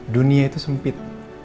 dunia itu sempit